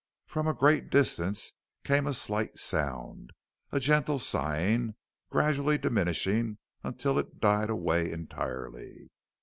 From a great distance came a slight sound a gentle sighing gradually diminishing until it died away entirely.